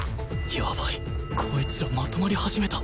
やばいこいつらまとまり始めた！